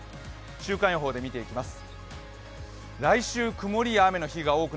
週間予報で見ていきます。